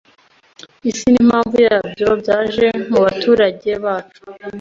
isi n'impamvu yabyo byaje mubaturage bacu